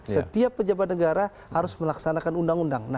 setiap pejabat negara harus melaksanakan undang undang